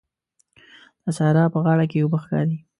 د سارا په غاړه کې اوبه ښکاري.